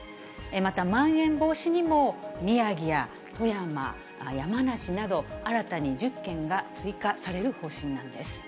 またまん延防止にも宮城や富山、山梨など、新たに１０県が追加される方針なんです。